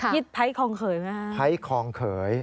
ฮีดพร้ายครองเขยฮีดพร้ายครองเขย